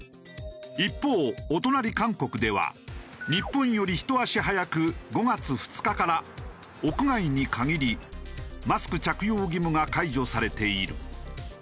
一方お隣韓国では日本よりひと足早く５月２日から屋外に限りマスク着用義務が解除されている。